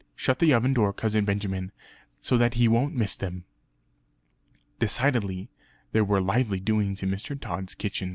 Shut the oven door, Cousin Benjamin, so that he won't miss them." Decidedly there were lively doings in Mr. Tod's kitchen!